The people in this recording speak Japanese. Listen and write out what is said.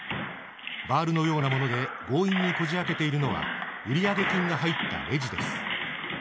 バールのようなもので強引にこじ開けているのは売上金が入ったレジです。